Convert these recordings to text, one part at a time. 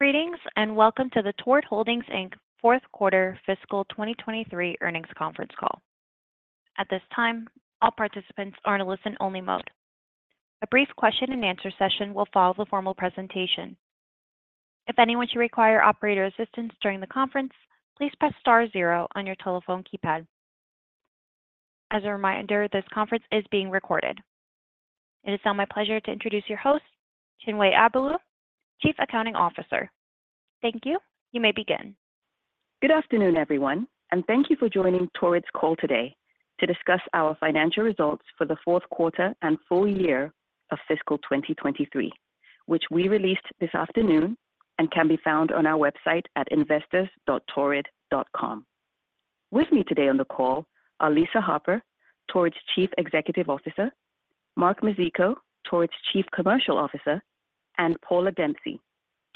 Greetings and welcome to the Torrid Holdings, Inc. fourth quarter fiscal 2023 earnings conference call. At this time, all participants are in a listen-only mode. A brief question-and-answer session will follow the formal presentation. If anyone should require operator assistance during the conference, please press star zero on your telephone keypad. As a reminder, this conference is being recorded. It is now my pleasure to introduce your host, Chinwe Abaelu, Chief Accounting Officer. Thank you. You may begin. Good afternoon, everyone, and thank you for joining Torrid's call today to discuss our financial results for the fourth quarter and full year of fiscal 2023, which we released this afternoon and can be found on our website at investors.torrid.com. With me today on the call are Lisa Harper, Torrid's Chief Executive Officer, Mark Mizicko, Torrid's Chief Commercial Officer, and Paula Dempsey,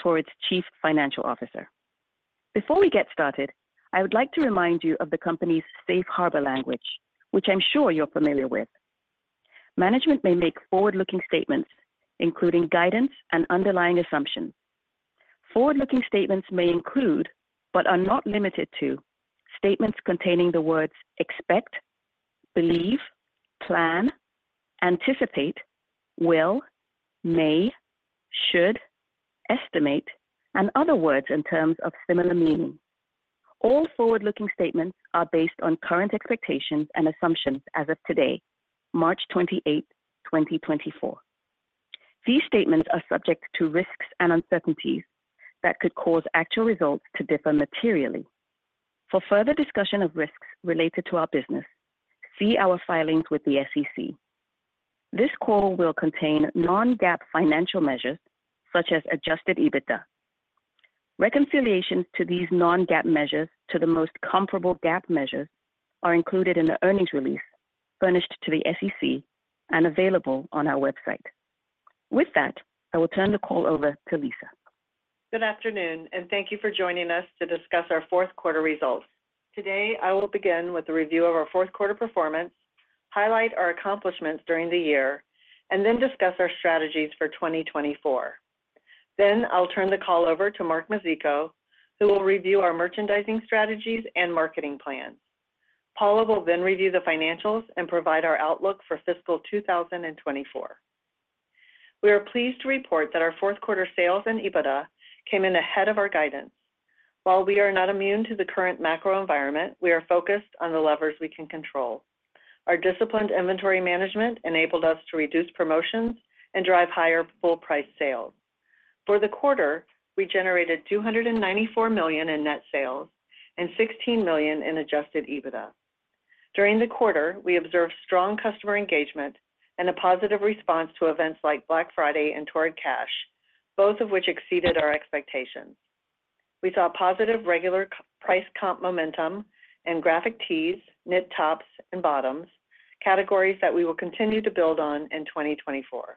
Torrid's Chief Financial Officer. Before we get started, I would like to remind you of the company's safe harbor language, which I'm sure you're familiar with. Management may make forward-looking statements, including guidance and underlying assumptions. Forward-looking statements may include, but are not limited to, statements containing the words expect, believe, plan, anticipate, will, may, should, estimate, and other words in terms of similar meaning. All forward-looking statements are based on current expectations and assumptions as of today, March 28, 2024. These statements are subject to risks and uncertainties that could cause actual results to differ materially. For further discussion of risks related to our business, see our filings with the SEC. This call will contain non-GAAP financial measures such as adjusted EBITDA. Reconciliations to these non-GAAP measures to the most comparable GAAP measures are included in the earnings release, furnished to the SEC, and available on our website. With that, I will turn the call over to Lisa. Good afternoon, and thank you for joining us to discuss our fourth quarter results. Today I will begin with a review of our fourth quarter performance, highlight our accomplishments during the year, and then discuss our strategies for 2024. Then I'll turn the call over to Mark Mizicko, who will review our merchandising strategies and marketing plans. Paula will then review the financials and provide our outlook for fiscal 2024. We are pleased to report that our fourth quarter sales and EBITDA came in ahead of our guidance. While we are not immune to the current macro environment, we are focused on the levers we can control. Our disciplined inventory management enabled us to reduce promotions and drive higher full-price sales. For the quarter, we generated $294 million in net sales and $16 million in adjusted EBITDA. During the quarter, we observed strong customer engagement and a positive response to events like Black Friday and Torrid Cash, both of which exceeded our expectations. We saw positive regular price comp momentum and graphic tees, knit tops, and bottoms, categories that we will continue to build on in 2024.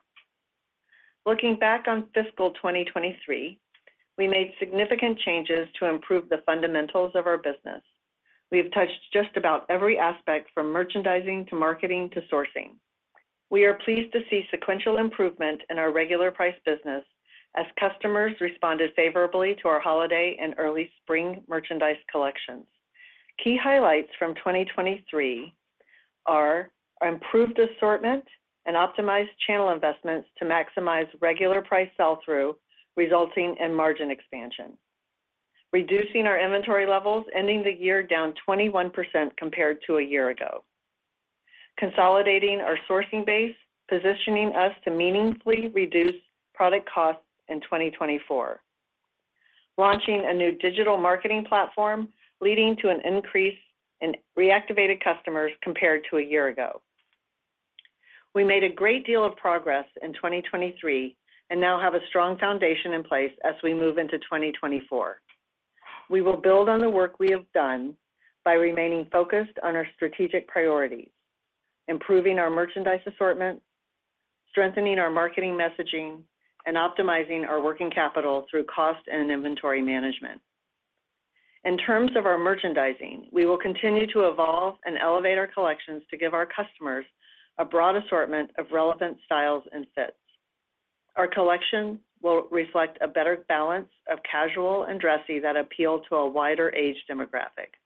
Looking back on fiscal 2023, we made significant changes to improve the fundamentals of our business. We have touched just about every aspect from merchandising to marketing to sourcing. We are pleased to see sequential improvement in our regular price business as customers responded favorably to our holiday and early spring merchandise collections. Key highlights from 2023 are our improved assortment and optimized channel investments to maximize regular price sell-through, resulting in margin expansion, reducing our inventory levels, ending the year down 21% compared to a year ago, consolidating our sourcing base, positioning us to meaningfully reduce product costs in 2024, launching a new digital marketing platform leading to an increase in reactivated customers compared to a year ago. We made a great deal of progress in 2023 and now have a strong foundation in place as we move into 2024. We will build on the work we have done by remaining focused on our strategic priorities, improving our merchandise assortment, strengthening our marketing messaging, and optimizing our working capital through cost and inventory management. In terms of our merchandising, we will continue to evolve and elevate our collections to give our customers a broad assortment of relevant styles and fits. Our collection will reflect a better balance of casual and dressy that appeal to a wider age demographic.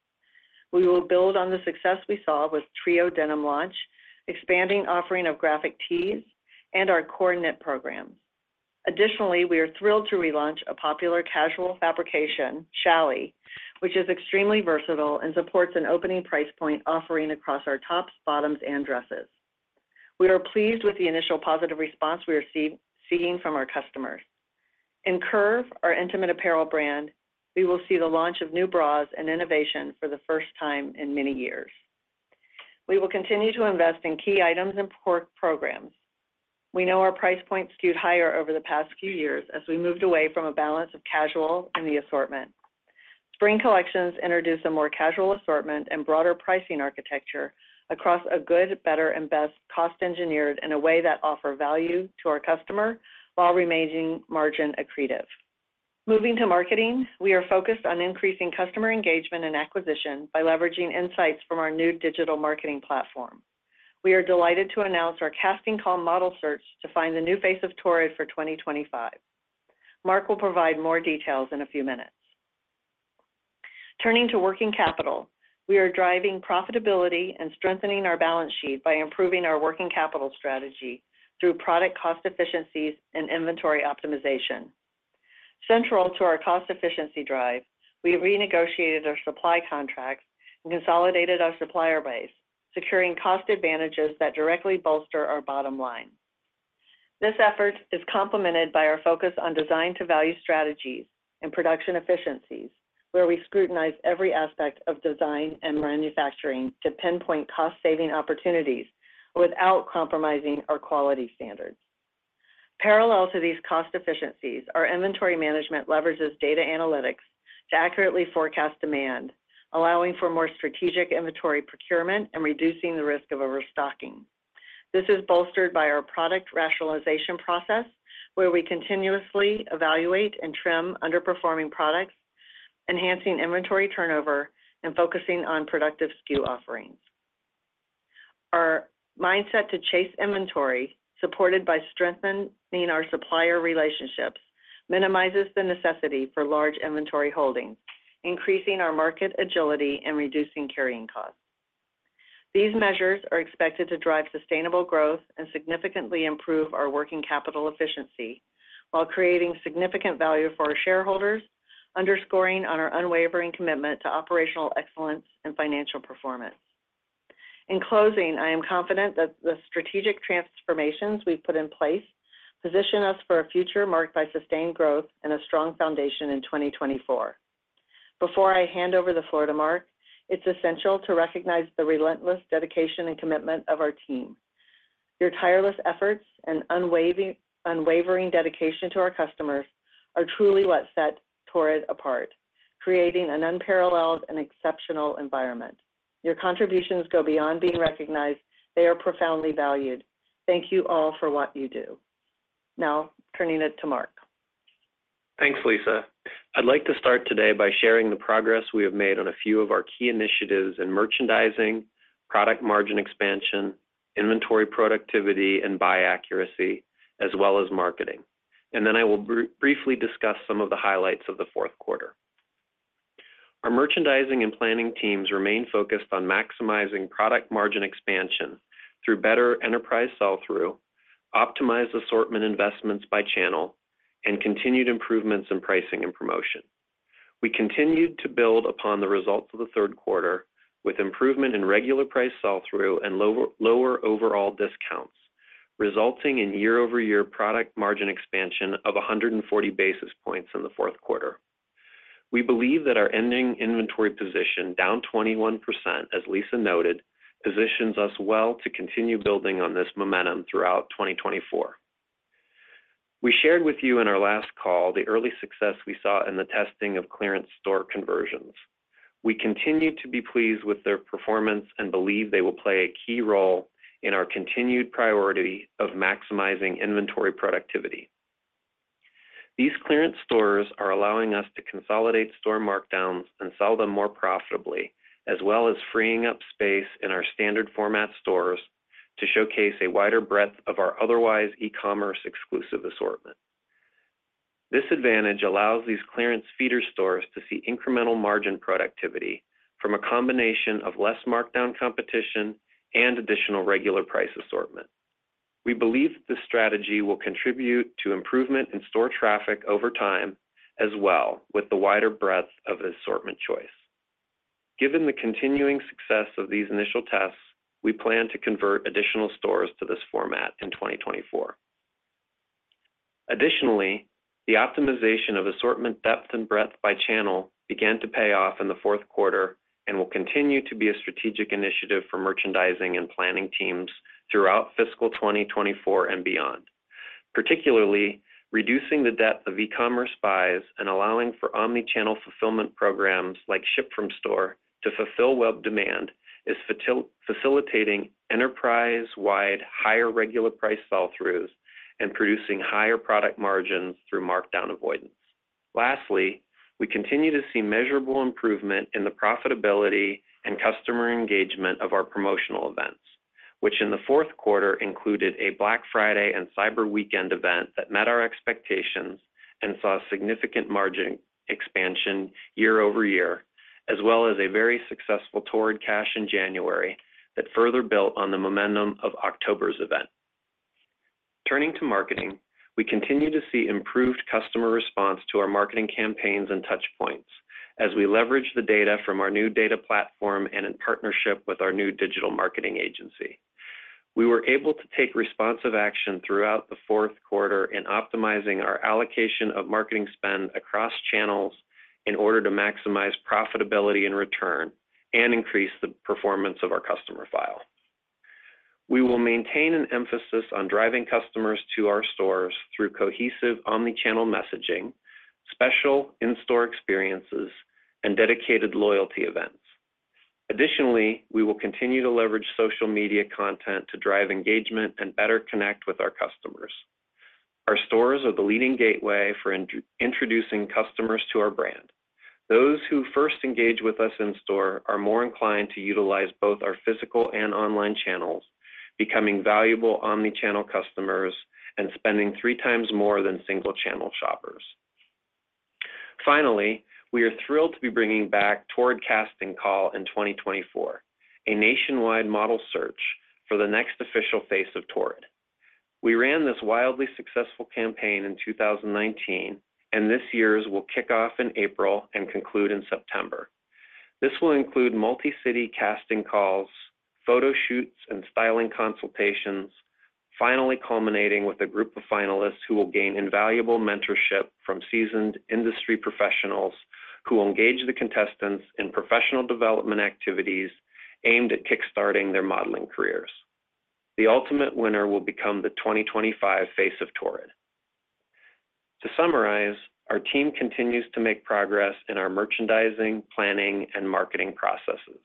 We will build on the success we saw with Trio Denim launch, expanding offering of graphic tees, and our core knit programs. Additionally, we are thrilled to relaunch a popular casual fabrication, challis, which is extremely versatile and supports an opening price point offering across our tops, bottoms, and dresses. We are pleased with the initial positive response we are seeing from our customers. In Curve, our intimate apparel brand, we will see the launch of new bras and innovation for the first time in many years. We will continue to invest in key items and programs. We know our price points skewed higher over the past few years as we moved away from a balance of casual in the assortment. Spring collections introduce a more casual assortment and broader pricing architecture across a good, better, and best cost-engineered in a way that offers value to our customer while remaining margin accretive. Moving to marketing, we are focused on increasing customer engagement and acquisition by leveraging insights from our new digital marketing platform. We are delighted to announce our casting call model search to find the new face of Torrid for 2025. Mark will provide more details in a few minutes. Turning to working capital, we are driving profitability and strengthening our balance sheet by improving our working capital strategy through product cost efficiencies and inventory optimization. Central to our cost efficiency drive, we renegotiated our supply contracts and consolidated our supplier base, securing cost advantages that directly bolster our bottom line. This effort is complemented by our focus on design-to-value strategies and production efficiencies, where we scrutinize every aspect of design and manufacturing to pinpoint cost-saving opportunities without compromising our quality standards. Parallel to these cost efficiencies, our inventory management leverages data analytics to accurately forecast demand, allowing for more strategic inventory procurement and reducing the risk of overstocking. This is bolstered by our product rationalization process, where we continuously evaluate and trim underperforming products, enhancing inventory turnover, and focusing on productive SKU offerings. Our mindset to chase inventory, supported by strengthening our supplier relationships, minimizes the necessity for large inventory holdings, increasing our market agility and reducing carrying costs. These measures are expected to drive sustainable growth and significantly improve our working capital efficiency while creating significant value for our shareholders, underscoring our unwavering commitment to operational excellence and financial performance. In closing, I am confident that the strategic transformations we've put in place position us for a future marked by sustained growth and a strong foundation in 2024. Before I hand over the floor to Mark, it's essential to recognize the relentless dedication and commitment of our team. Your tireless efforts and unwavering dedication to our customers are truly what set Torrid apart, creating an unparalleled and exceptional environment. Your contributions go beyond being recognized. They are profoundly valued. Thank you all for what you do. Now, turning it to Mark. Thanks, Lisa. I'd like to start today by sharing the progress we have made on a few of our key initiatives in merchandising, product margin expansion, inventory productivity, and buy accuracy, as well as marketing. Then I will briefly discuss some of the highlights of the fourth quarter. Our merchandising and planning teams remain focused on maximizing product margin expansion through better enterprise sell-through, optimized assortment investments by channel, and continued improvements in pricing and promotion. We continued to build upon the results of the third quarter with improvement in regular price sell-through and lower overall discounts, resulting in year-over-year product margin expansion of 140 basis points in the fourth quarter. We believe that our ending inventory position, down 21% as Lisa noted, positions us well to continue building on this momentum throughout 2024. We shared with you in our last call the early success we saw in the testing of clearance store conversions. We continue to be pleased with their performance and believe they will play a key role in our continued priority of maximizing inventory productivity. These clearance stores are allowing us to consolidate store markdowns and sell them more profitably, as well as freeing up space in our standard format stores to showcase a wider breadth of our otherwise e-commerce exclusive assortment. This advantage allows these clearance feeder stores to see incremental margin productivity from a combination of less markdown competition and additional regular price assortment. We believe this strategy will contribute to improvement in store traffic over time, as well with the wider breadth of assortment choice. Given the continuing success of these initial tests, we plan to convert additional stores to this format in 2024. Additionally, the optimization of assortment depth and breadth by channel began to pay off in the fourth quarter and will continue to be a strategic initiative for merchandising and planning teams throughout fiscal 2024 and beyond. Particularly, reducing the depth of e-commerce buys and allowing for omnichannel fulfillment programs like Ship to Store to fulfill web demand is facilitating enterprise-wide higher regular price sell-throughs and producing higher product margins through markdown avoidance. Lastly, we continue to see measurable improvement in the profitability and customer engagement of our promotional events, which in the fourth quarter included a Black Friday and Cyber Weekend event that met our expectations and saw significant margin expansion year-over-year, as well as a very successful Torrid Cash in January that further built on the momentum of October's event. Turning to marketing, we continue to see improved customer response to our marketing campaigns and touchpoints as we leverage the data from our new data platform and in partnership with our new digital marketing agency. We were able to take responsive action throughout the fourth quarter in optimizing our allocation of marketing spend across channels in order to maximize profitability and return and increase the performance of our customer file. We will maintain an emphasis on driving customers to our stores through cohesive omnichannel messaging, special in-store experiences, and dedicated loyalty events. Additionally, we will continue to leverage social media content to drive engagement and better connect with our customers. Our stores are the leading gateway for introducing customers to our brand. Those who first engage with us in-store are more inclined to utilize both our physical and online channels, becoming valuable omnichannel customers and spending three times more than single-channel shoppers. Finally, we are thrilled to be bringing back Torrid Casting Call in 2024, a nationwide model search for the next official face of Torrid. We ran this wildly successful campaign in 2019, and this year's will kick off in April and conclude in September. This will include multi-city casting calls, photo shoots, and styling consultations, finally culminating with a group of finalists who will gain invaluable mentorship from seasoned industry professionals who engage the contestants in professional development activities aimed at kickstarting their modeling careers. The ultimate winner will become the 2025 face of Torrid. To summarize, our team continues to make progress in our merchandising, planning, and marketing processes.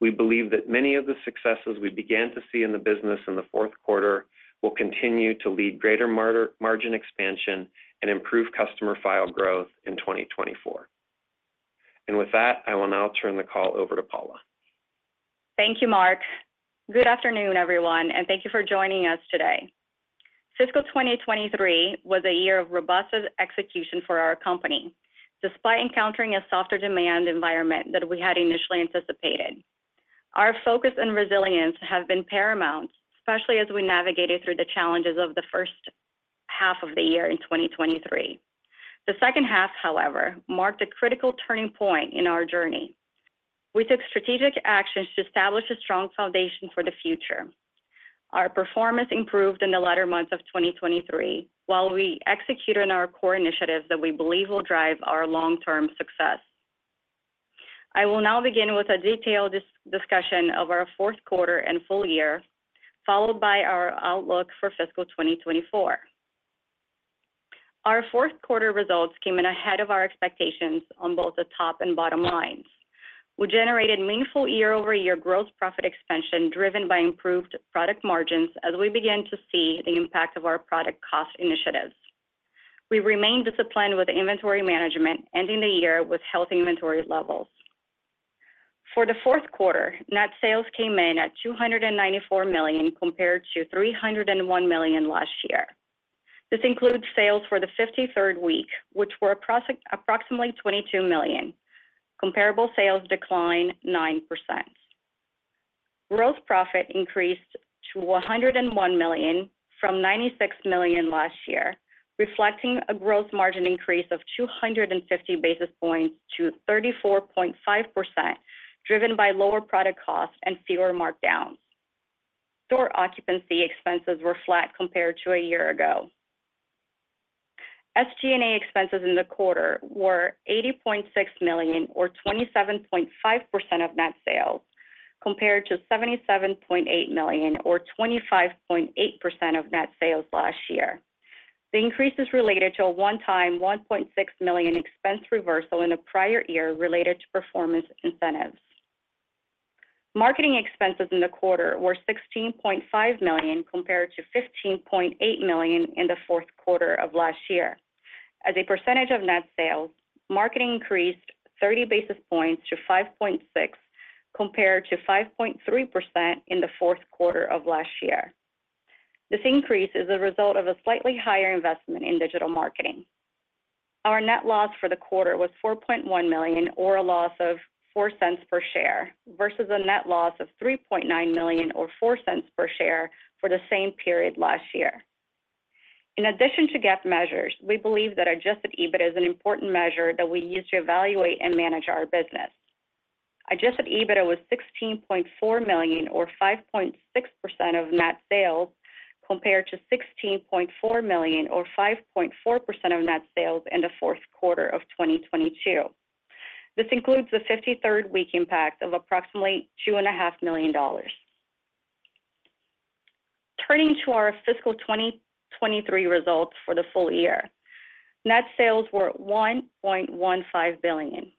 We believe that many of the successes we began to see in the business in the fourth quarter will continue to lead greater margin expansion and improve customer file growth in 2024. With that, I will now turn the call over to Paula. Thank you, Mark. Good afternoon, everyone, and thank you for joining us today. Fiscal 2023 was a year of robust execution for our company, despite encountering a softer demand environment than we had initially anticipated. Our focus and resilience have been paramount, especially as we navigated through the challenges of the first half of the year in 2023. The second half, however, marked a critical turning point in our journey. We took strategic actions to establish a strong foundation for the future. Our performance improved in the latter months of 2023 while we executed on our core initiatives that we believe will drive our long-term success. I will now begin with a detailed discussion of our fourth quarter and full year, followed by our outlook for fiscal 2024. Our fourth quarter results came in ahead of our expectations on both the top and bottom lines. We generated meaningful year-over-year gross profit expansion driven by improved product margins as we began to see the impact of our product cost initiatives. We remained disciplined with inventory management, ending the year with healthy inventory levels. For the fourth quarter, net sales came in at $294 million compared to $301 million last year. This includes sales for the 53rd week, which were approximately $22 million. Comparable sales declined 9%. Gross profit increased to $101 million from $96 million last year, reflecting a gross margin increase of 250 basis points to 34.5%, driven by lower product costs and fewer markdowns. Store occupancy expenses were flat compared to a year ago. SG&A expenses in the quarter were $80.6 million or 27.5% of net sales, compared to $77.8 million or 25.8% of net sales last year. The increase is related to a one-time $1.6 million expense reversal in the prior year related to performance incentives. Marketing expenses in the quarter were $16.5 million compared to $15.8 million in the fourth quarter of last year. As a percentage of net sales, marketing increased 30 basis points to 5.6%, compared to 5.3% in the fourth quarter of last year. This increase is the result of a slightly higher investment in digital marketing. Our net loss for the quarter was $4.1 million or a loss of $0.04 per share versus a net loss of $3.9 million or $0.04 per share for the same period last year. In addition to GAAP measures, we believe that adjusted EBITDA is an important measure that we use to evaluate and manage our business. Adjusted EBITDA was $16.4 million or 5.6% of net sales, compared to $16.4 million or 5.4% of net sales in the fourth quarter of 2022. This includes the 53rd week impact of approximately $2.5 million. Turning to our fiscal 2023 results for the full year, net sales were $1.15 billion.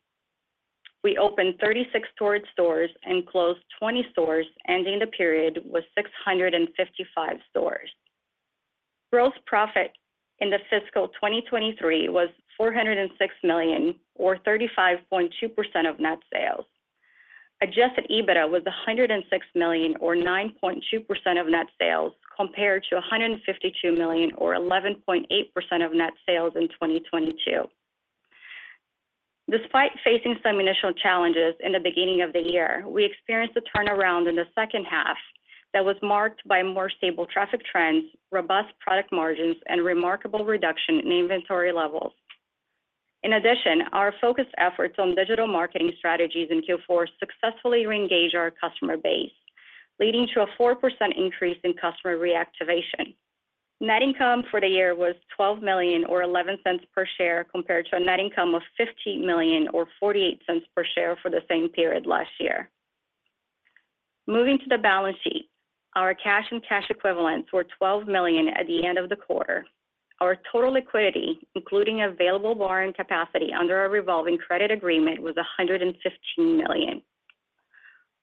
We opened 36 Torrid stores and closed 20 stores, ending the period with 655 stores. Gross profit in the fiscal 2023 was $406 million or 35.2% of net sales. Adjusted EBITDA was $106 million or 9.2% of net sales, compared to $152 million or 11.8% of net sales in 2022. Despite facing some initial challenges in the beginning of the year, we experienced a turnaround in the second half that was marked by more stable traffic trends, robust product margins, and remarkable reduction in inventory levels. In addition, our focused efforts on digital marketing strategies in Q4 successfully re-engaged our customer base, leading to a 4% increase in customer reactivation. Net income for the year was $12 million or $0.11 per share, compared to a net income of $50 million or $0.48 per share for the same period last year. Moving to the balance sheet, our cash and cash equivalents were $12 million at the end of the quarter. Our total liquidity, including available borrowing capacity under our revolving credit agreement, was $115 million.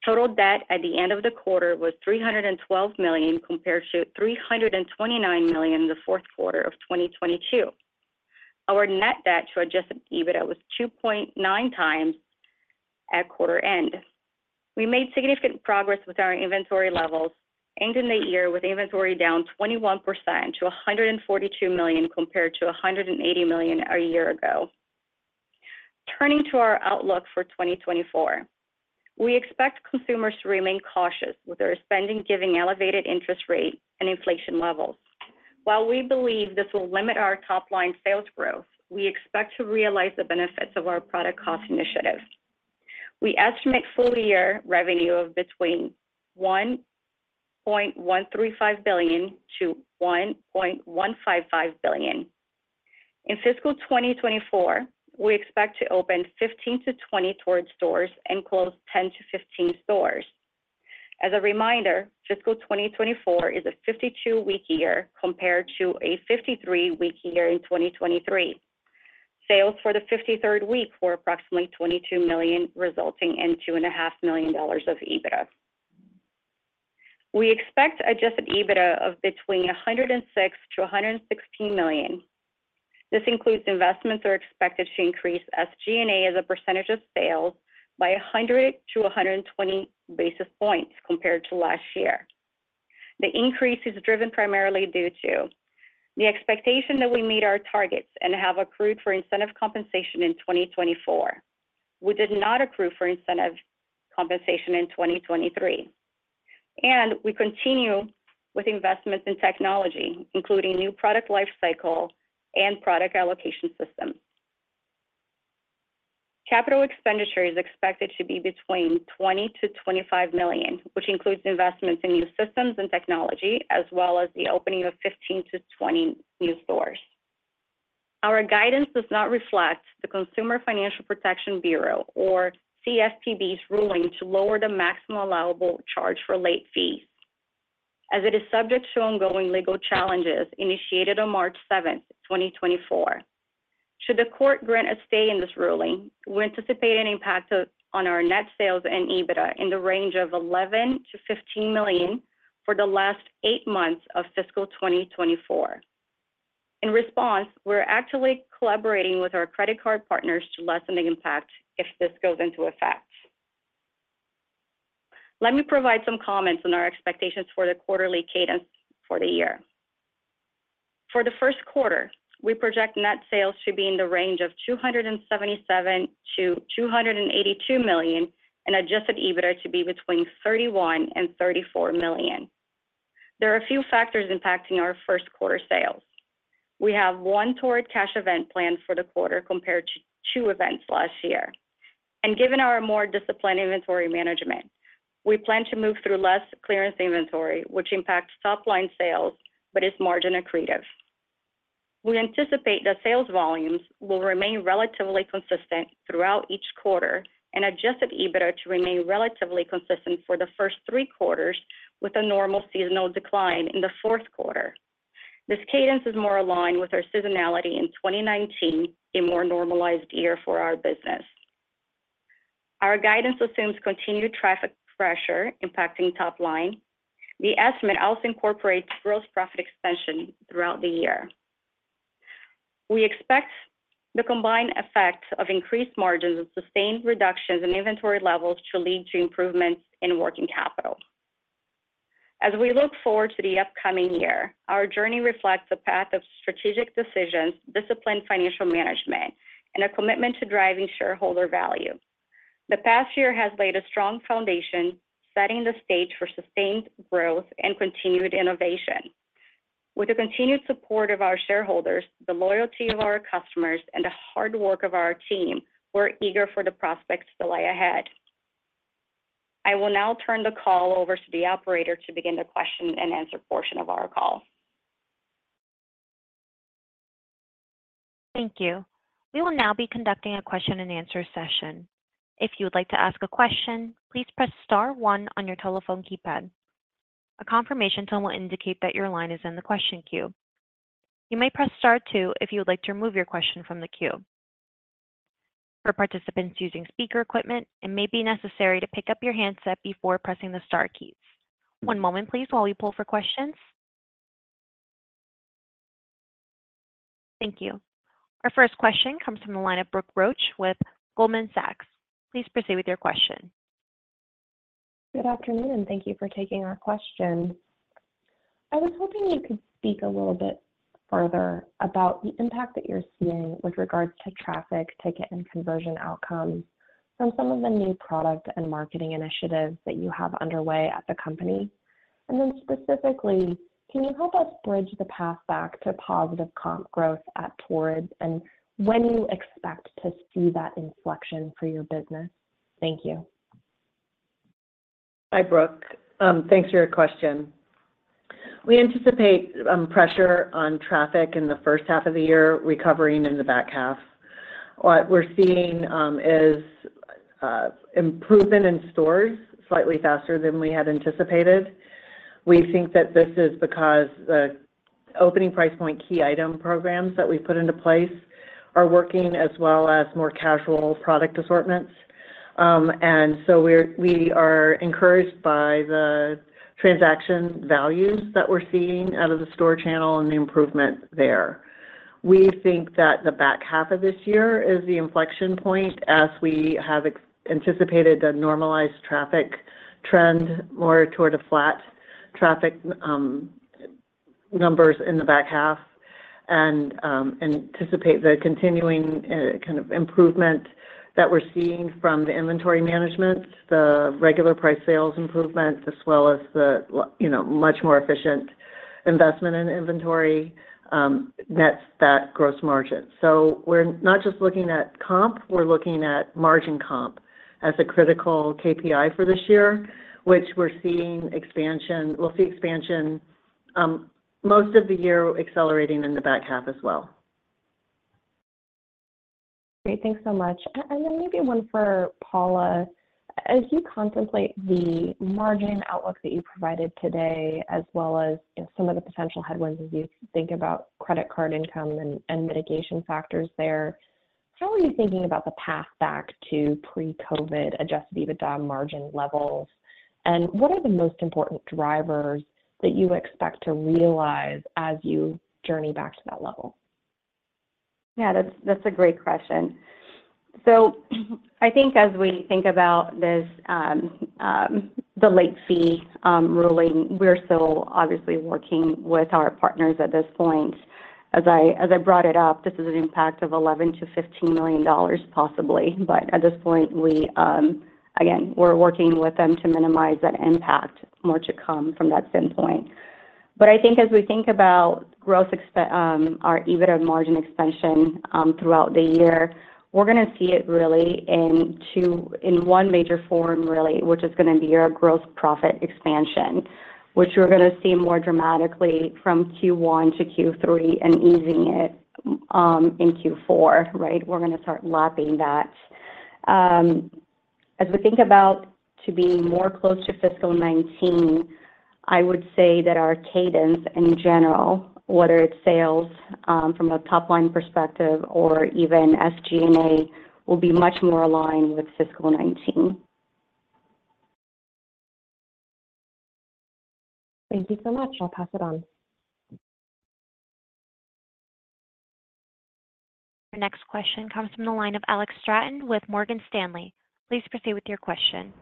Total debt at the end of the quarter was $312 million compared to $329 million in the fourth quarter of 2022. Our net debt to adjusted EBITDA was 2.9 times at quarter end. We made significant progress with our inventory levels, ending the year with inventory down 21% to $142 million compared to $180 million a year ago. Turning to our outlook for 2024, we expect consumers to remain cautious with their spending given elevated interest rate and inflation levels. While we believe this will limit our top-line sales growth, we expect to realize the benefits of our product cost initiative. We estimate full-year revenue of between $1.135 billion-$1.155 billion. In fiscal 2024, we expect to open 15-20 Torrid stores and close 10-15 stores. As a reminder, fiscal 2024 is a 52-week year compared to a 53-week year in 2023. Sales for the 53rd week were approximately $22 million, resulting in $2.5 million of EBITDA. We expect adjusted EBITDA of between $106 million-$116 million. This includes investments that are expected to increase SG&A as a percentage of sales by 100-120 basis points compared to last year. The increase is driven primarily due to the expectation that we meet our targets and have accrued for incentive compensation in 2024. We did not accrue for incentive compensation in 2023. We continue with investments in technology, including new product lifecycle and product allocation systems. Capital expenditure is expected to be between $20-$25 million, which includes investments in new systems and technology, as well as the opening of 15-20 new stores. Our guidance does not reflect the Consumer Financial Protection Bureau or CFPB's ruling to lower the maximum allowable charge for late fees, as it is subject to ongoing legal challenges initiated on March 7th, 2024. Should the court grant a stay in this ruling, we anticipate an impact on our net sales and EBITDA in the range of $11-$15 million for the last eight months of fiscal 2024. In response, we're actively collaborating with our credit card partners to lessen the impact if this goes into effect. Let me provide some comments on our expectations for the quarterly cadence for the year. For the first quarter, we project net sales to be in the range of $277 million-$282 million and adjusted EBITDA to be between $31 million and $34 million. There are a few factors impacting our first quarter sales. We have one Torrid Cash event planned for the quarter compared to two events last year. Given our more disciplined inventory management, we plan to move through less clearance inventory, which impacts top-line sales but is margin accretive. We anticipate that sales volumes will remain relatively consistent throughout each quarter and adjusted EBITDA to remain relatively consistent for the first three quarters, with a normal seasonal decline in the fourth quarter. This cadence is more aligned with our seasonality in 2019, a more normalized year for our business. Our guidance assumes continued traffic pressure impacting top line. The estimate also incorporates gross profit expansion throughout the year. We expect the combined effect of increased margins and sustained reductions in inventory levels to lead to improvements in working capital. As we look forward to the upcoming year, our journey reflects a path of strategic decisions, disciplined financial management, and a commitment to driving shareholder value. The past year has laid a strong foundation, setting the stage for sustained growth and continued innovation. With the continued support of our shareholders, the loyalty of our customers, and the hard work of our team, we're eager for the prospects to lie ahead. I will now turn the call over to the operator to begin the question-and-answer portion of our call. Thank you. We will now be conducting a question-and-answer session. If you would like to ask a question, please press star one on your telephone keypad. A confirmation tone will indicate that your line is in the question queue. You may press star two if you would like to remove your question from the queue. For participants using speaker equipment, it may be necessary to pick up your handset before pressing the star keys. One moment, please, while we poll for questions. Thank you. Our first question comes from the line of Brooke Roach with Goldman Sachs. Please proceed with your question. Good afternoon, and thank you for taking our question. I was hoping you could speak a little bit further about the impact that you're seeing with regards to traffic, ticket, and conversion outcomes from some of the new product and marketing initiatives that you have underway at the company. And then specifically, can you help us bridge the path back to positive comp growth at Torrid and when you expect to see that inflection for your business? Thank you. Hi, Brooke. Thanks for your question. We anticipate pressure on traffic in the first half of the year, recovering in the back half. What we're seeing is improvement in stores slightly faster than we had anticipated. We think that this is because the opening price point key item programs that we've put into place are working as well as more casual product assortments. And so we are encouraged by the transaction values that we're seeing out of the store channel and the improvement there. We think that the back half of this year is the inflection point as we have anticipated a normalized traffic trend, more toward a flat traffic numbers in the back half, and anticipate the continuing kind of improvement that we're seeing from the inventory management, the regular price sales improvement, as well as the much more efficient investment in inventory nets that gross margin. We're not just looking at comp. We're looking at margin comp as a critical KPI for this year, which we're seeing expansion. We'll see expansion most of the year accelerating in the back half as well. Great. Thanks so much. And then maybe one for Paula. As you contemplate the margin outlook that you provided today, as well as some of the potential headwinds as you think about credit card income and mitigation factors there, how are you thinking about the path back to pre-COVID adjusted EBITDA margin levels, and what are the most important drivers that you expect to realize as you journey back to that level? Yeah, that's a great question. So I think as we think about the late fee ruling, we're still obviously working with our partners at this point. As I brought it up, this is an impact of $11 million-$15 million, possibly. But at this point, again, we're working with them to minimize that impact. More to come from that standpoint. But I think as we think about our EBITDA margin expansion throughout the year, we're going to see it really in one major form, really, which is going to be our gross profit expansion, which we're going to see more dramatically from Q1 to Q3 and easing it in Q4, right? We're going to start lapping that. As we think about to being more close to fiscal 2019, I would say that our cadence in general, whether it's sales from a top-line perspective or even SG&A, will be much more aligned with fiscal 2019. Thank you so much. I'll pass it on. Our next question comes from the line of Alex Straton with Morgan Stanley. Please proceed with your question.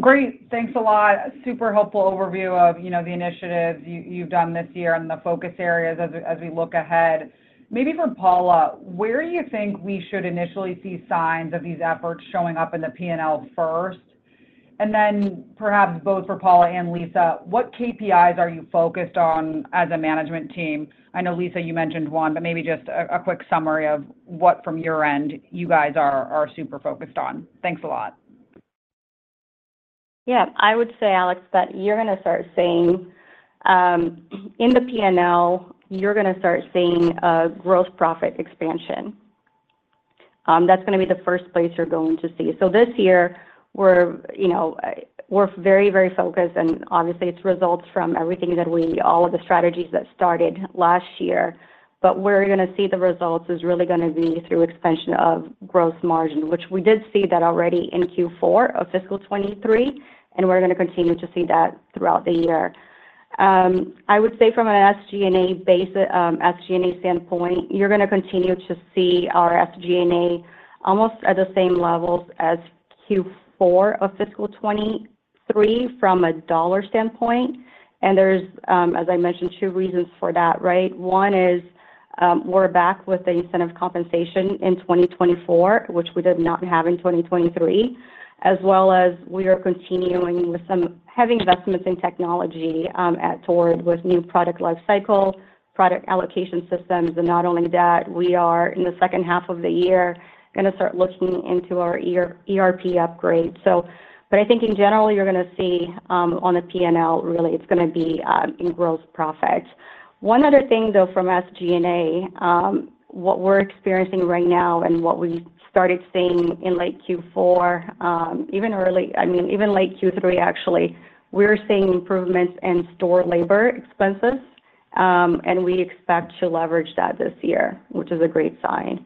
Great. Thanks a lot. Super helpful overview of the initiatives you've done this year and the focus areas as we look ahead. Maybe for Paula, where do you think we should initially see signs of these efforts showing up in the P&L first? And then perhaps both for Paula and Lisa, what KPIs are you focused on as a management team? I know, Lisa, you mentioned one, but maybe just a quick summary of what from your end you guys are super focused on? Thanks a lot. Yeah. I would say, Alex, that you're going to start seeing in the P&L, you're going to start seeing a gross profit expansion. That's going to be the first place you're going to see. So this year, we're very, very focused, and obviously, it results from everything that we all of the strategies that started last year. But we're going to see the results is really going to be through expansion of gross margin, which we did see that already in Q4 of fiscal 2023, and we're going to continue to see that throughout the year. I would say from an SG&A standpoint, you're going to continue to see our SG&A almost at the same levels as Q4 of fiscal 2023 from a dollar standpoint. And there's, as I mentioned, two reasons for that, right? One is we're back with the incentive compensation in 2024, which we did not have in 2023, as well as we are continuing with some heavy investments in technology at Torrid with new product lifecycle, product allocation systems. And not only that, we are in the second half of the year going to start looking into our ERP upgrade. But I think in general, you're going to see on the P&L, really, it's going to be in gross profit. One other thing, though, from SG&A, what we're experiencing right now and what we started seeing in late Q4, even early I mean, even late Q3, actually, we're seeing improvements in store labor expenses, and we expect to leverage that this year, which is a great sign.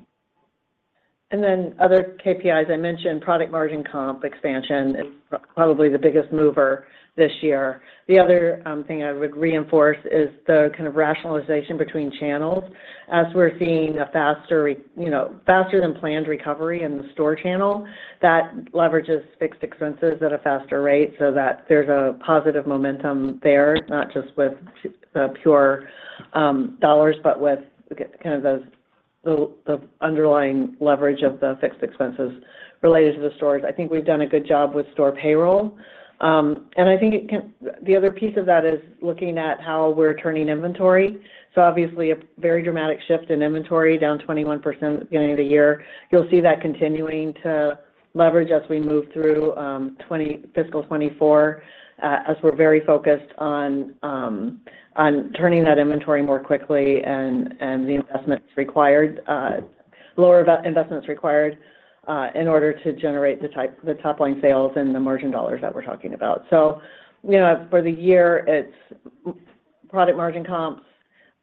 Then other KPIs I mentioned, product margin comp expansion is probably the biggest mover this year. The other thing I would reinforce is the kind of rationalization between channels. As we're seeing a faster than planned recovery in the store channel, that leverages fixed expenses at a faster rate so that there's a positive momentum there, not just with the pure dollars, but with kind of the underlying leverage of the fixed expenses related to the stores. I think we've done a good job with store payroll. And I think the other piece of that is looking at how we're turning inventory. So obviously, a very dramatic shift in inventory down 21% at the beginning of the year. You'll see that continuing to leverage as we move through fiscal 2024, as we're very focused on turning that inventory more quickly and the investments required lower investments required in order to generate the top-line sales and the margin dollars that we're talking about. So for the year, it's product margin comps,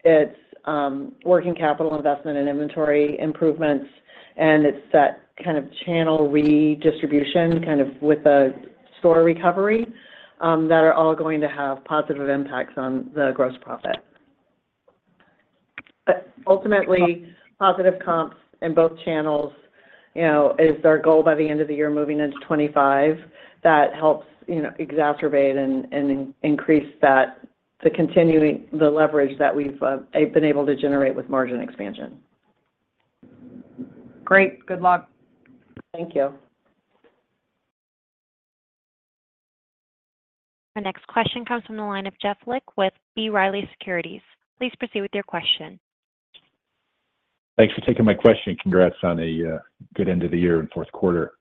it's working capital investment and inventory improvements, and it's that kind of channel redistribution kind of with the store recovery that are all going to have positive impacts on the gross profit. Ultimately, positive comps in both channels is our goal by the end of the year moving into 2025. That helps exacerbate and increase the leverage that we've been able to generate with margin expansion. Great. Good luck. Thank you. Our next question comes from the line of Jeff Lick with B. Riley Securities. Please proceed with your question. Thanks for taking my question. Congrats on a good end of the year and fourth quarter.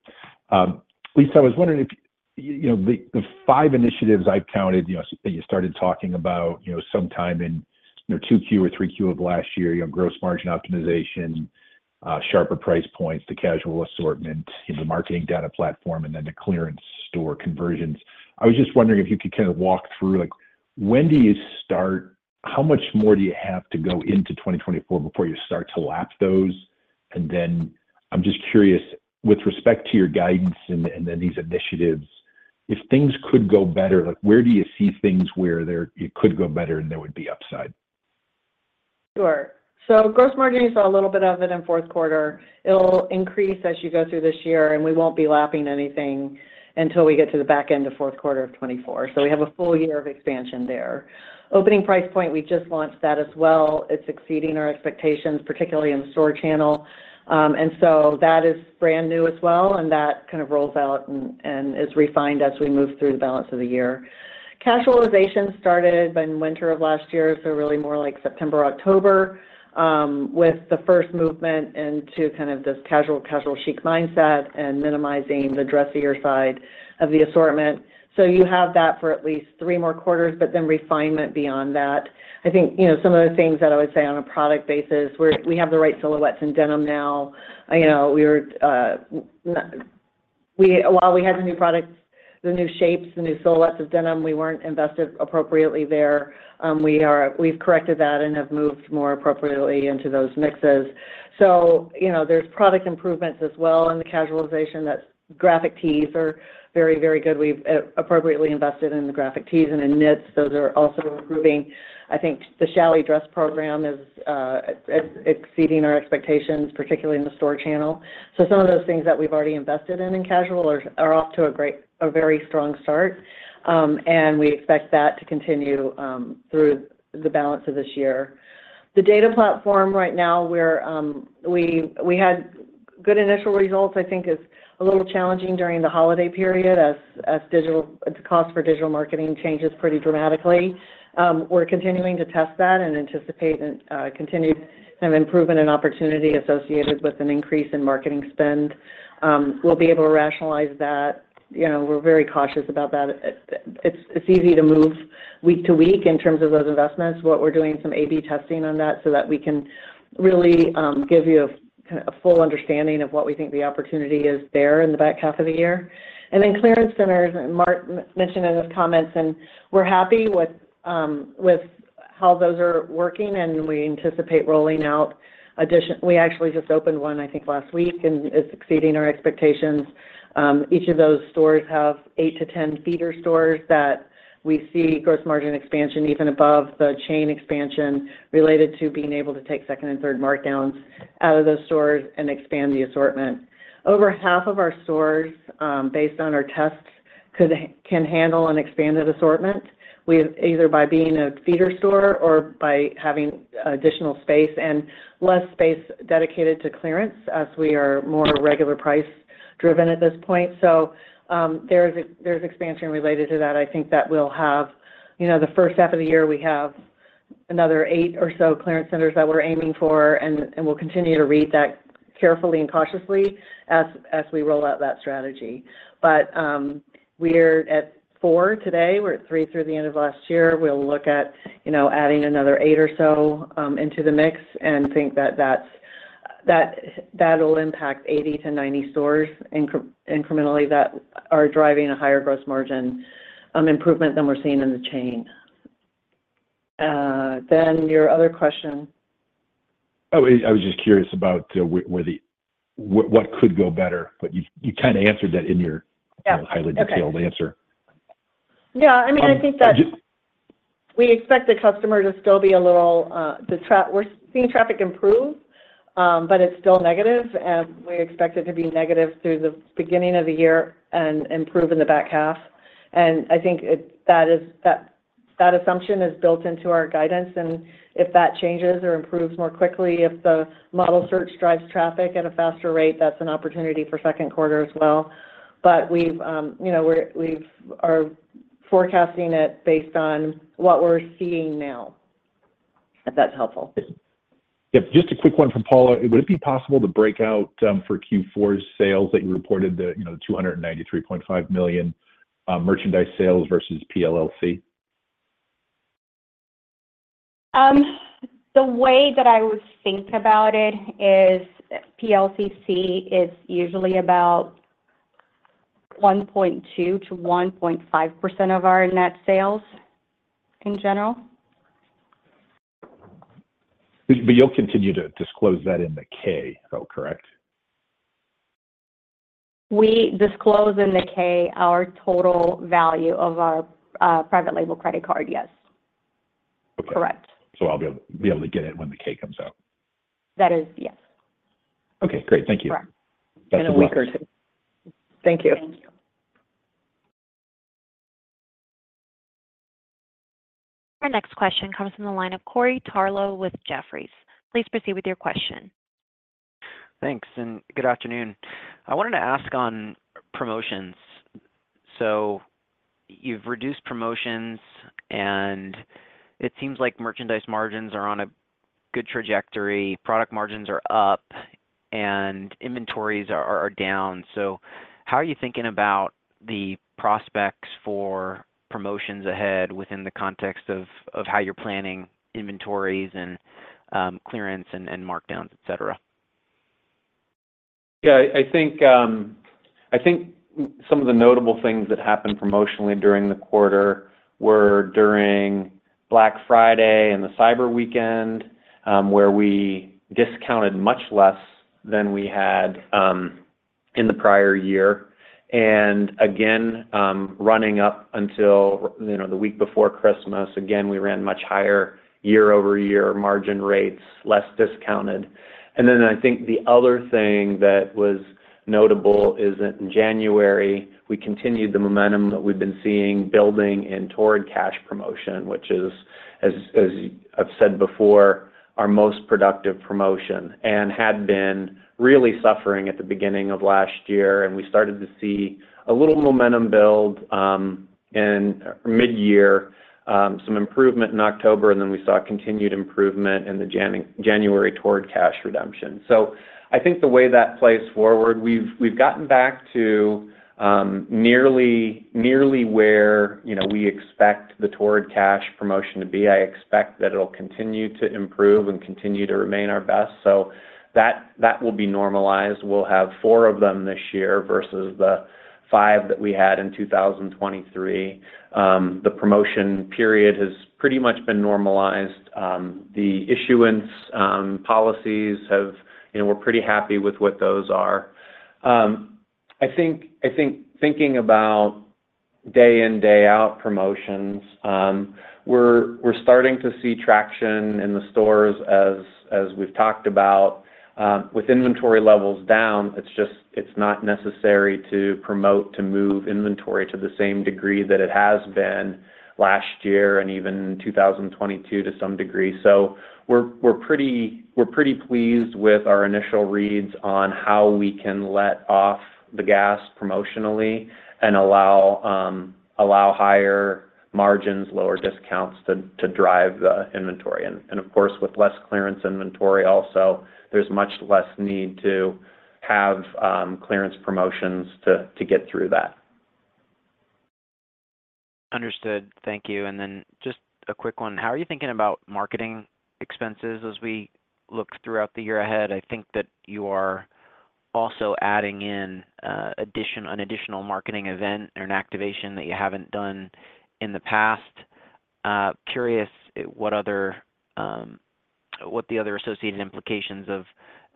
Lisa, I was wondering if the five initiatives I've counted that you started talking about sometime in 2Q or 3Q of last year, gross margin optimization, sharper price points, the casual assortment, the marketing data platform, and then the clearance store conversions. I was just wondering if you could kind of walk through when do you start how much more do you have to go into 2024 before you start to lap those? And then I'm just curious, with respect to your guidance and then these initiatives, if things could go better, where do you see things where it could go better and there would be upside? Sure. So gross margin is a little bit of it in fourth quarter. It'll increase as you go through this year, and we won't be lapping anything until we get to the back end of fourth quarter of 2024. So we have a full year of expansion there. Opening price point, we just launched that as well. It's exceeding our expectations, particularly in the store channel. And so that is brand new as well, and that kind of rolls out and is refined as we move through the balance of the year. Casualization started in winter of last year, so really more like September, October, with the first movement into kind of this casual, casual chic mindset and minimizing the dressier side of the assortment. So you have that for at least three more quarters, but then refinement beyond that. I think some of the things that I would say on a product basis, we have the right silhouettes in denim now. While we had the new products, the new shapes, the new silhouettes of denim, we weren't invested appropriately there. We've corrected that and have moved more appropriately into those mixes. So there's product improvements as well in the casualization. Graphic tees are very, very good. We've appropriately invested in the graphic tees and in knits. Those are also improving. I think the challis dress program is exceeding our expectations, particularly in the store channel. So some of those things that we've already invested in in casual are off to a very strong start, and we expect that to continue through the balance of this year. The data platform right now, we had good initial results. I think it's a little challenging during the holiday period as the cost for digital marketing changes pretty dramatically. We're continuing to test that and anticipate continued kind of improvement and opportunity associated with an increase in marketing spend. We'll be able to rationalize that. We're very cautious about that. It's easy to move week to week in terms of those investments. What we're doing, some A/B testing on that so that we can really give you a full understanding of what we think the opportunity is there in the back half of the year. And then clearance centers. Mark mentioned in his comments, and we're happy with how those are working, and we anticipate rolling out additional. We actually just opened one, I think, last week, and it's exceeding our expectations. Each of those stores have 8-10 feeder stores that we see gross margin expansion even above the chain expansion related to being able to take second and third markdowns out of those stores and expand the assortment. Over half of our stores, based on our tests, can handle an expanded assortment either by being a feeder store or by having additional space and less space dedicated to clearance as we are more regular price-driven at this point. So there's expansion related to that. I think that we'll have the first half of the year, we have another eight or so clearance centers that we're aiming for, and we'll continue to read that carefully and cautiously as we roll out that strategy. But we're at 4 today. We're at 3 through the end of last year. We'll look at adding another 8 or so into the mix and think that that'll impact 80-90 stores incrementally that are driving a higher gross margin improvement than we're seeing in the chain. Then your other question. Oh, I was just curious about what could go better, but you kind of answered that in your highly detailed answer. Yeah. I mean, I think that we expect the customer to still be a little. We're seeing traffic improve, but it's still negative, and we expect it to be negative through the beginning of the year and improve in the back half. I think that assumption is built into our guidance. If that changes or improves more quickly, if the model search drives traffic at a faster rate, that's an opportunity for second quarter as well. But we are forecasting it based on what we're seeing now, if that's helpful. Yep. Just a quick one from Paula. Would it be possible to break out for Q4's sales that you reported, the $293.5 million merchandise sales versus PLCC? The way that I would think about it is PLCC is usually about 1.2%-1.5% of our net sales in general. You'll continue to disclose that in the K, though, correct? We disclose in the K our total value of our private label credit card, yes. Correct. Okay. So I'll be able to get it when the K comes out. That is, yes. Okay. Great. Thank you. Correct. In a week or two. Thank you. Thank you. Our next question comes from the line of Corey Tarlowe with Jefferies. Please proceed with your question. Thanks. Good afternoon. I wanted to ask on promotions. So you've reduced promotions, and it seems like merchandise margins are on a good trajectory. Product margins are up, and inventories are down. So how are you thinking about the prospects for promotions ahead within the context of how you're planning inventories and clearance and markdowns, etc.? Yeah. I think some of the notable things that happened promotionally during the quarter were during Black Friday and the Cyber Weekend, where we discounted much less than we had in the prior year. And again, running up until the week before Christmas, again, we ran much higher year-over-year margin rates, less discounted. And then I think the other thing that was notable is that in January, we continued the momentum that we've been seeing building in Torrid Cash promotion, which is, as I've said before, our most productive promotion and had been really suffering at the beginning of last year. And we started to see a little momentum build in mid-year, some improvement in October, and then we saw continued improvement in the January Torrid Cash redemption. So I think the way that plays forward, we've gotten back to nearly where we expect the Torrid Cash promotion to be. I expect that it'll continue to improve and continue to remain our best. So that will be normalized. We'll have 4 of them this year versus the 5 that we had in 2023. The promotion period has pretty much been normalized. The issuance policies, we're pretty happy with what those are. I think thinking about day-in, day-out promotions, we're starting to see traction in the stores as we've talked about. With inventory levels down, it's not necessary to promote to move inventory to the same degree that it has been last year and even 2022 to some degree. So we're pretty pleased with our initial reads on how we can let off the gas promotionally and allow higher margins, lower discounts to drive the inventory. And of course, with less clearance inventory also, there's much less need to have clearance promotions to get through that. Understood. Thank you. And then just a quick one. How are you thinking about marketing expenses as we look throughout the year ahead? I think that you are also adding in an additional marketing event or an activation that you haven't done in the past. Curious what the other associated implications of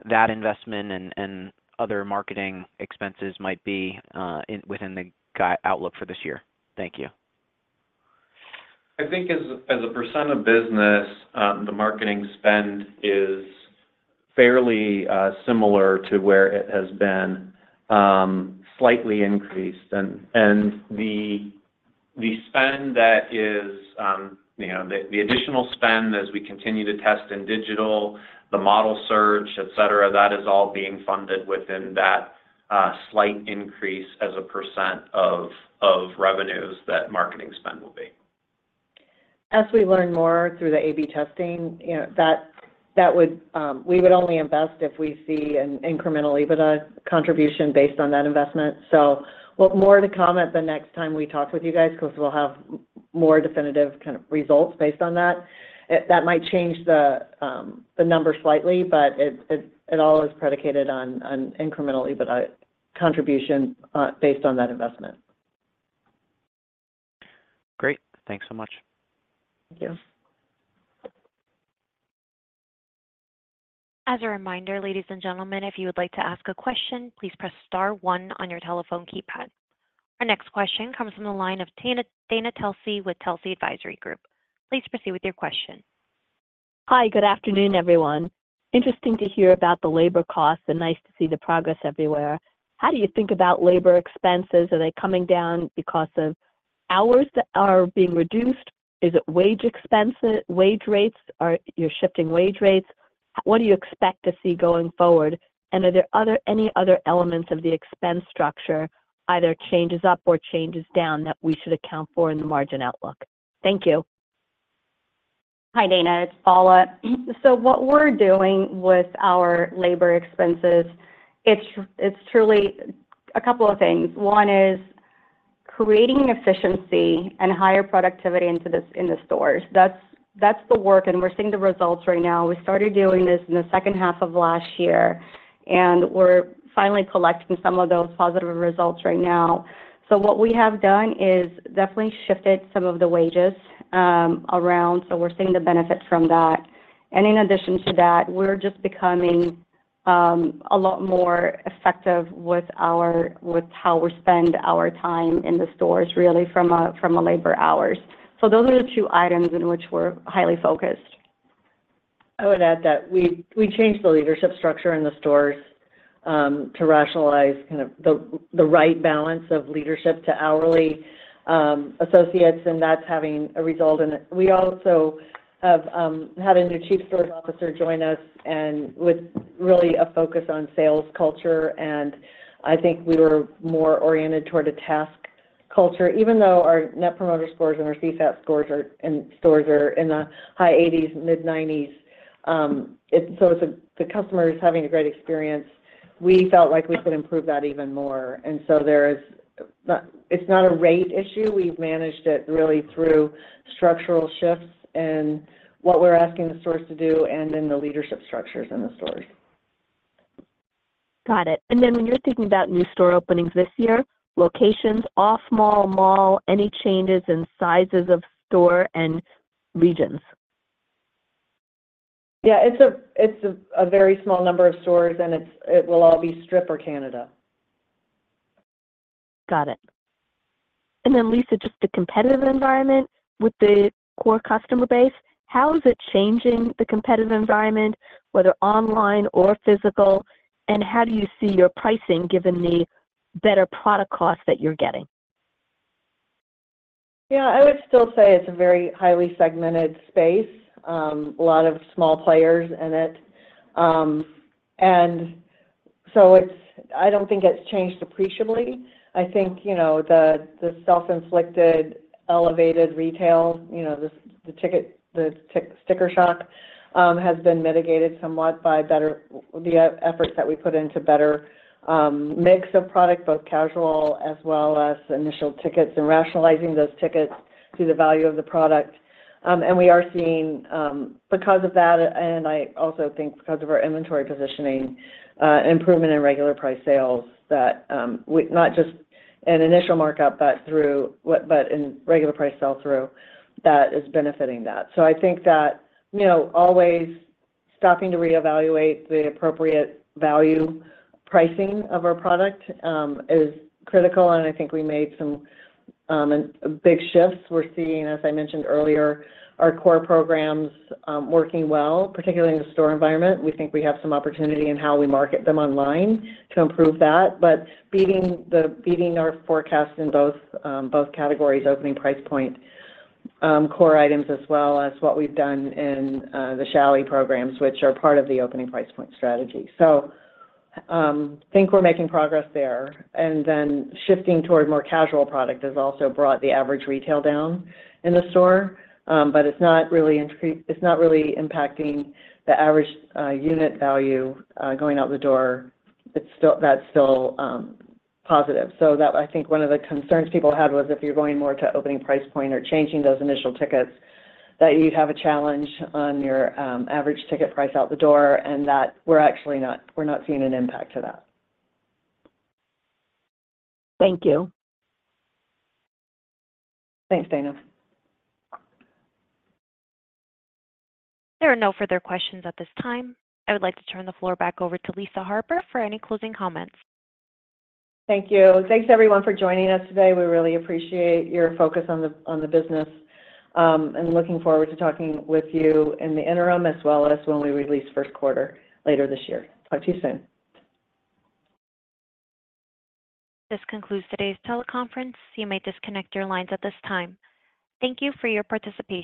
that investment and other marketing expenses might be within the outlook for this year? Thank you. I think as a percent of business, the marketing spend is fairly similar to where it has been, slightly increased. The spend that is the additional spend as we continue to test in digital, the model search, etc., that is all being funded within that slight increase as a percent of revenues that marketing spend will be. As we learn more through the A/B testing, we would only invest if we see an incremental EBITDA contribution based on that investment. So more to comment the next time we talk with you guys because we'll have more definitive kind of results based on that. That might change the number slightly, but it all is predicated on incremental EBITDA contribution based on that investment. Great. Thanks so much. Thank you. As a reminder, ladies and gentlemen, if you would like to ask a question, please press star one on your telephone keypad. Our next question comes from the line of Dana Telsey with Telsey Advisory Group. Please proceed with your question. Hi. Good afternoon, everyone. Interesting to hear about the labor costs and nice to see the progress everywhere. How do you think about labor expenses? Are they coming down because of hours that are being reduced? Is it wage expense? Wage rates? You're shifting wage rates. What do you expect to see going forward? Are there any other elements of the expense structure, either changes up or changes down, that we should account for in the margin outlook? Thank you. Hi, Dana. It's Paula. So what we're doing with our labor expenses, it's truly a couple of things. One is creating efficiency and higher productivity in the stores. That's the work, and we're seeing the results right now. We started doing this in the second half of last year, and we're finally collecting some of those positive results right now. So what we have done is definitely shifted some of the wages around, so we're seeing the benefit from that. And in addition to that, we're just becoming a lot more effective with how we spend our time in the stores, really, from labor hours. So those are the two items in which we're highly focused. I would add that we changed the leadership structure in the stores to rationalize kind of the right balance of leadership to hourly associates, and that's having a result in it. We also have had a new Chief Stores Officer join us with really a focus on sales culture, and I think we were more oriented toward a task culture. Even though our Net Promoter Scores and our CSAT scores in stores are in the high 80s, mid 90s, so the customer is having a great experience, we felt like we could improve that even more. And so it's not a rate issue. We've managed it really through structural shifts in what we're asking the stores to do and in the leadership structures in the stores. Got it. And then when you're thinking about new store openings this year, locations, off-mall, mall, any changes in sizes of store and regions? Yeah. It's a very small number of stores, and it will all be strip centers in Canada. Got it. And then, Lisa, just the competitive environment with the core customer base, how is it changing the competitive environment, whether online or physical, and how do you see your pricing given the better product cost that you're getting? Yeah. I would still say it's a very highly segmented space, a lot of small players in it. And so I don't think it's changed appreciably. I think the self-inflicted elevated retail, the sticker shock, has been mitigated somewhat by the efforts that we put into better mix of product, both casual as well as initial tickets, and rationalizing those tickets to the value of the product. And we are seeing, because of that, and I also think because of our inventory positioning, improvement in regular price sales, not just an initial markup but in regular price sell-through that is benefiting that. So I think that always stopping to reevaluate the appropriate value pricing of our product is critical, and I think we made some big shifts. We're seeing, as I mentioned earlier, our core programs working well, particularly in the store environment. We think we have some opportunity in how we market them online to improve that, but beating our forecasts in both categories, opening price point core items as well as what we've done in the challis programs, which are part of the opening price point strategy. So I think we're making progress there. Then shifting toward more casual product has also brought the average retail down in the store, but it's not really impacting the average unit value going out the door. That's still positive. So I think one of the concerns people had was if you're going more to opening price point or changing those initial tickets, that you'd have a challenge on your average ticket price out the door, and that we're actually not seeing an impact to that. Thank you. Thanks, Dana. There are no further questions at this time. I would like to turn the floor back over to Lisa Harper for any closing comments. Thank you. Thanks, everyone, for joining us today. We really appreciate your focus on the business and looking forward to talking with you in the interim as well as when we release first quarter later this year. Talk to you soon. This concludes today's teleconference. You may disconnect your lines at this time. Thank you for your participation.